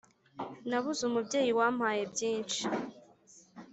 nabuze umubyeyi wampaye byinshi